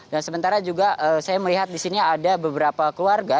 dan sementara juga saya melihat di sini ada beberapa keluarga